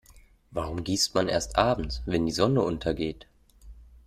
Warum gießt man erst abends, wenn die Sonne untergeht?